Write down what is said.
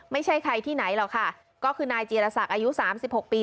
ไม่ใช่ใครที่ไหนหรอกค่ะก็คือนายจีรศักดิ์อายุสามสิบหกปี